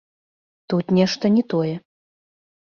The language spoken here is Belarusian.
Тут нешта не тое.